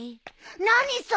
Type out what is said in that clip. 何それ？